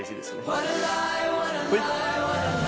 はい。